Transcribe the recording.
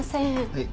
はい。